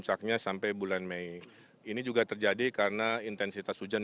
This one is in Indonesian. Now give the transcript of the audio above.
dan nach mungkin gunakan wormata dan ujian